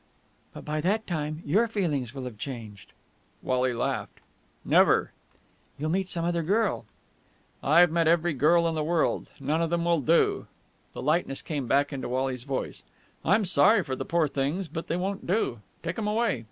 "But by that time your feelings will have changed!" Wally laughed. "Never!" "You'll meet some other girl...." "I've met every girl in the world! None of them will do!" The lightness came back into Wally's voice. "I'm sorry for the poor things, but they won't do! Take 'em away!